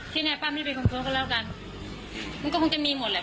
ที่ไหนป้าไม่เป็นคนเค้าก็แล้วกันมันก็คงจะมีหมดแหละ